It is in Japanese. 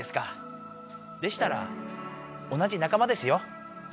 でしたら同じなかまですよ。